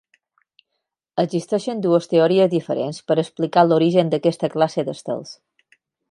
Existeixen dues teories diferents per explicar l'origen d'aquesta classe d'estels.